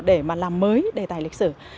để mà làm mới đề tài lịch sử